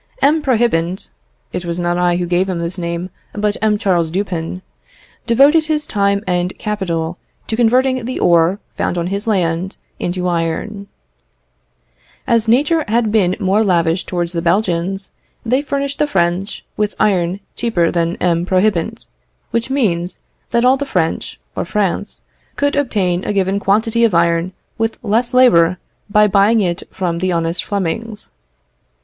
M. Prohibant (it was not I who gave him this name, but M. Charles Dupin) devoted his time and capital to converting the ore found on his land into iron. As nature had been more lavish towards the Belgians, they furnished the French with iron cheaper than M. Prohibant; which means, that all the French, or France, could obtain a given quantity of iron with less labour by buying it of the honest Flemings.